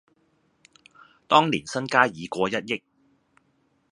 當年身家已過一憶